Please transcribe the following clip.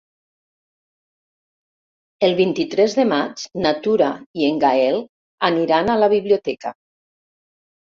El vint-i-tres de maig na Tura i en Gaël aniran a la biblioteca.